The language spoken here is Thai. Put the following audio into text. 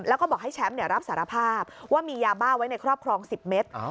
แล้วก็บอกให้แชมป์รับสารภาพว่ามียาบ้าไว้ในครอบครอง๑๐เมตร